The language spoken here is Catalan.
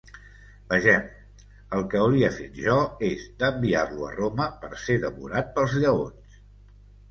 Vegem: el que hauria fet jo, és d'enviar-lo a Roma per ser devorat pels lleons.